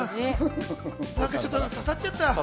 なんかちょっと刺さっちゃった！